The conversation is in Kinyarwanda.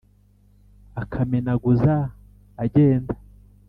Akamenaguza agenda,